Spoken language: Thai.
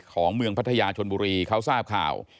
ของเมืองพัทยาชนบุรีเขาทราบข่าว